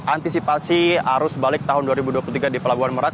antisipasi arus balik tahun dua ribu dua puluh tiga di pelabuhan merak